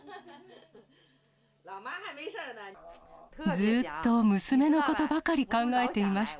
ずーっと娘のことばかり考えていました。